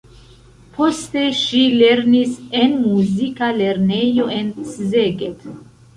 Poste ŝi lernis en muzika lernejo en Szeged.